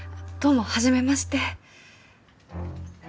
どうもはじめまして。